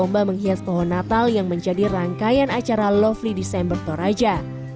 lomba menghias pohon natal yang menjadi rangkaian acara lovely desigber toraja